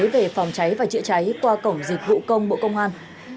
về phòng cháy và chữa cháy qua cổng dịch vụ công bộ công an